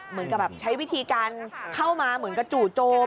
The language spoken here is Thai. เหมือนกับแบบใช้วิธีการเข้ามาเหมือนกับจู่โจม